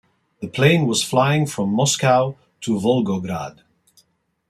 The plane was flying from Moscow to Volgograd.